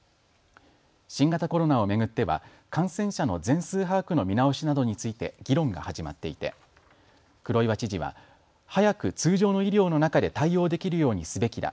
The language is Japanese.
新型コロナを巡っては感染者の全数把握の見直しなどについて議論が始まっていて黒岩知事は早く通常の医療の中で対応できるようにすべきだ。